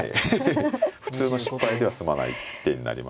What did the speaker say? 普通の失敗では済まない手になりますね。